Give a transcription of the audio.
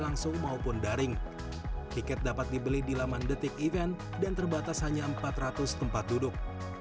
langsung maupun daring tiket dapat dibeli di laman detik event dan terbatas hanya empat ratus tempat duduk